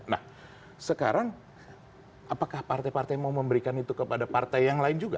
nah sekarang apakah partai partai mau memberikan itu kepada partai yang lain juga